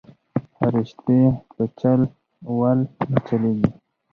رشتې په چل ول نه چلېږي